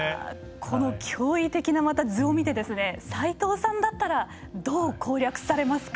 この驚異的なまた図を見てですね斎藤さんだったらどう攻略されますか。